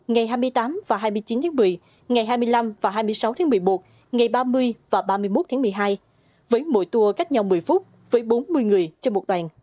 ngày hai mươi tám và hai mươi chín tháng một mươi ngày hai mươi năm và hai mươi sáu tháng một mươi một ngày ba mươi và ba mươi một tháng một mươi hai với mỗi tour cách nhau một mươi phút với bốn mươi người trên một đoàn